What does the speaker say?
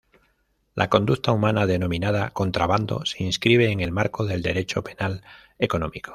La conducta humana denominada contrabando se inscribe en el marco del derecho penal económico.